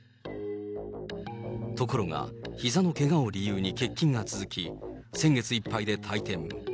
ところが、ひざのけがを理由に欠勤が続き、先月いっぱいで退店。